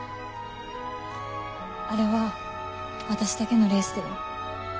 あれは私だけのレースでは。